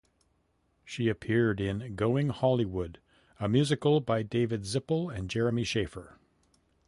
She appeared in "Going Hollywood", a musical by David Zippel and Jeremy Shaeffer.